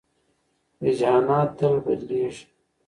رجحانات تل بدلېږي.